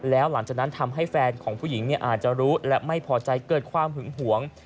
แล้วหลังจากนั้นทำให้แฟนของผู้หญิงอาจจะรู้และไม่พอใจเกิดความหึงหวง